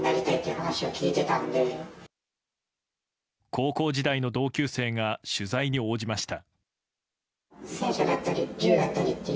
高校時代の同級生が取材に応じました。